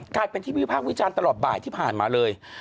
กลายเป็นที่วิพากษ์วิจารณ์ตลอดบ่ายที่ผ่านมาเลย